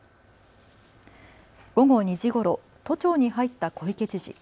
午後２時ごろ都庁に入った小池知事。